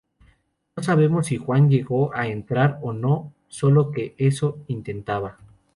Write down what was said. No sabemos si Juan llegó a entrar o no, solo que eso intentaba.